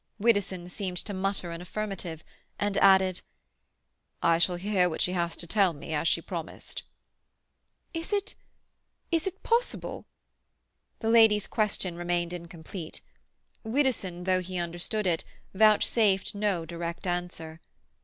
Widdowson seemed to mutter an affirmative, and added,— "I shall hear what she has to tell me, as she promised." "Is it—is it possible—?" The lady's question remained incomplete. Widdowson, though he understood it, vouchsafed no direct answer.